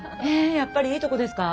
やっぱりいいとこですか？